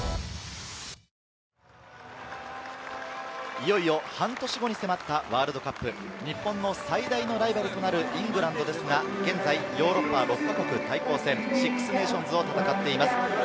いよいよ半年後に迫ったワールドカップ、日本の最大のライバルとなるイングランドですが、現在、ヨーロッパ６か国対抗戦、シックスネーションズを戦っています。